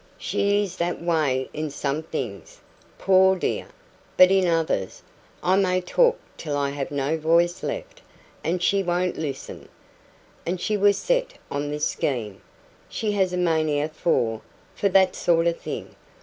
"She is that way in some things, poor dear; but in others I may talk till I have no voice left, and she won't listen. And she was set on this scheme. She has a mania for for that sort of thing.